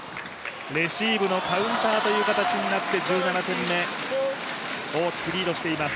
レシーブのカウンターという形になって１７点目大きくリードしています。